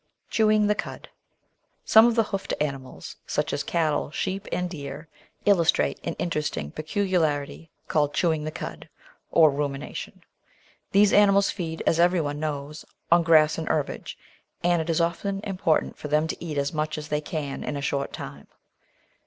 Chewing the Cud Some of the hoofed animals, such as cattle, sheep, and deer, illustrate an interesting peculiarity called chewing the cud, or rumination. These animals feed, as everyone knows, on grass and herbage, and it is often important for them to eat as much as they can in a short time.